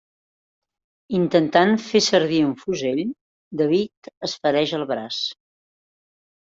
Intentant fent servir un fusell, David es fereix al braç.